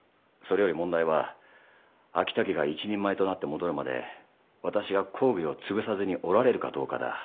それより問題は昭武が一人前となって戻るまで私が公儀を潰さずにおられるかどうかだ。